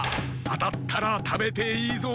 あたったらたべていいぞ。